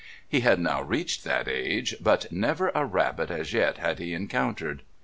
He had now reached that age, but never a rabbit as yet had he encountered.